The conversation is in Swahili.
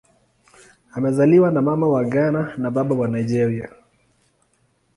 Amezaliwa na Mama wa Ghana na Baba wa Nigeria.